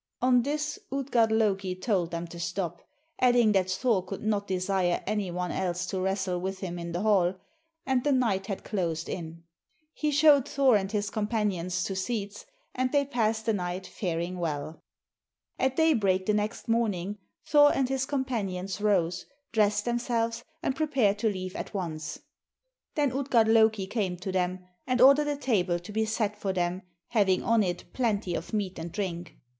On this Utgard Loki told them to stop, adding that Thor could not desire any one else to wrestle with him in the hall, and the night had closed in. He showed Thor and his companions to seats, and they passed the night, faring well. At daybreak the next morning, Thor and his companions rose, dressed themselves, and prepared to leave at once. Then Utgard Loki came to them and ordered a table to be set for them having on it plenty of meat and drink.